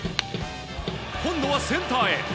今度はセンターへ。